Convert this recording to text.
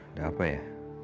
udah apa ya